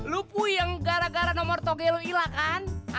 lu puyeng gara gara nomor tognya lu ilah kan